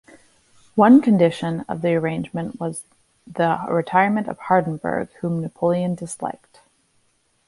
One condition of the arrangement was the retirement of Hardenberg, whom Napoleon disliked.